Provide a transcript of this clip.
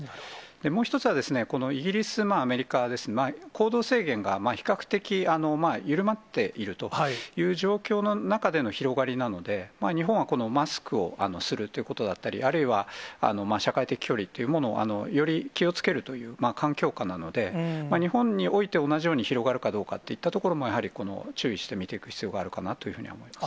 もう一つは、このイギリスもアメリカです、行動制限が比較的緩まっているという状況の中での広がりなので、日本はこのマスクをするということだったり、あるいは社会的距離というものを、より気をつけるという環境かなので、日本において、同じように広がるかどうかといったところもやはり注意して見ていく必要があるかなというふうには思います。